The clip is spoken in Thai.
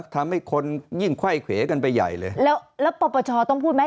ทำให้คนยิ่งไข้เขวกันไปใหญ่เลยแล้วแล้วปปชต้องพูดไหม